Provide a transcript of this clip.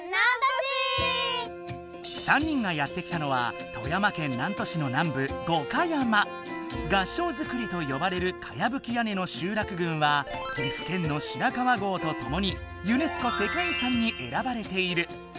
３人がやって来たのは富山県南砺市の南部合掌造りとよばれるかやぶき屋根のしゅうらくぐんは岐阜県の白川郷とともににえらばれている。